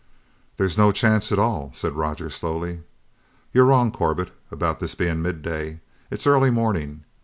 "There's no chance at all," said Roger slowly. "You're wrong, Corbett, about this being midday. It's early morning!"